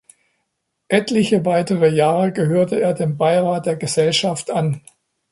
Etliche weitere Jahre gehörte er dem Beirat der Gesellschaft an.